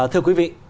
thưa quý vị